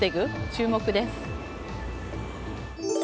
注目です。